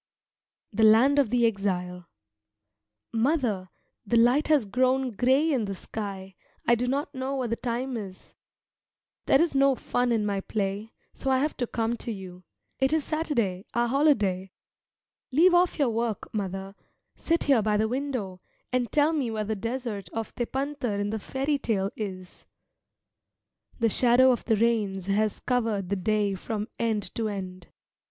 THE LAND OF THE EXILE Mother, the light has grown grey in the sky; I do not know what the time is. There is no fun in my play, so I have come to you. It is Saturday, our holiday. Leave off your work, mother; sit here by the window and tell me where the desert of Tepântar in the fairy tale is? The shadow of the rains has covered the day from end to end.